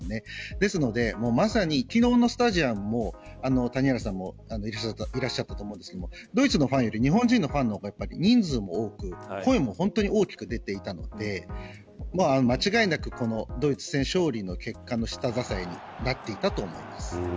なので、昨日のスタジアムも谷原さんもいらっしゃったと思いますがドイツのファンより日本人のファンの方が人数も多く声も本当に大きく出ていたので間違いなくドイツ戦の勝利の結果の下支えになっていたと思います。